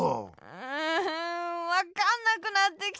うんわかんなくなってきたよ。